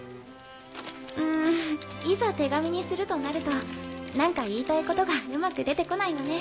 うんいざ手紙にするとなると何か言いたいことがうまく出て来ないわね。